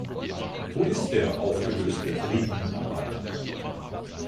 Wo ist der aufgelöste Britenrabatt?